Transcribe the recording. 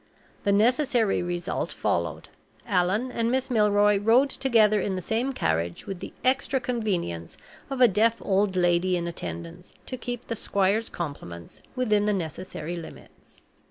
The necessary result followed. Allan and Miss Milroy rode together in the same carriage, with the extra convenience of a deaf old lady in attendance to keep the squire's compliments within the necessary limits.